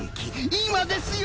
今ですよ！